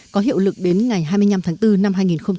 có hiệu lực đến ngày hai mươi năm tháng bốn năm hai nghìn một mươi bốn